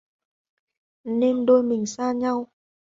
Nên đôi mình xa nhau